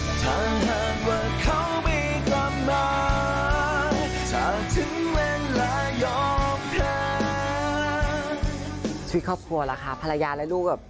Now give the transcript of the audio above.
ชีวิตครอบครัวล่ะค่ะภรรยาและลูกแบบ